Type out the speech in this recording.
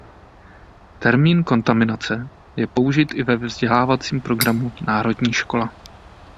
Termín kontaminace je použit i ve vzdělávacím programu Národní škola.